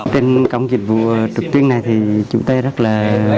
trên cổng dịch vụ trực tuyến này thì chúng tôi rất là